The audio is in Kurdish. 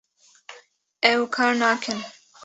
ew kar nakin